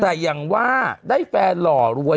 แต่อย่างว่าได้แฟนหล่อรวย